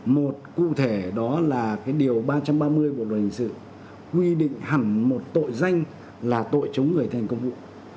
một cụ thể đó là cái điều ba trăm ba mươi bộ luật hình sự quy định hẳn một tội danh là tội chống người thi hành công vụ